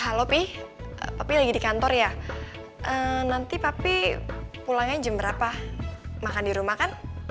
halo pih tapi lagi di kantor ya nanti tapi pulangnya jam berapa makan di rumah kan